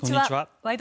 「ワイド！